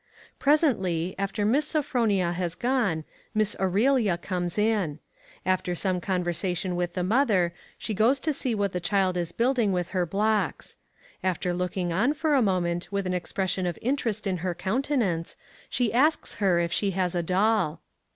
Presently, after Miss Sophronia has gone, Miss Aurelia comes in. After some conversation with the mother, she goes to see what the child is building with her blocks. After looking on for a moment with an expression of interest in her countenance, she asks her if she has a doll.